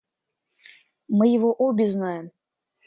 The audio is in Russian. Мы его обе знаем.